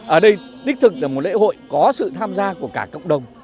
ở đây đích thực là một lễ hội có sự tham gia của cả cộng đồng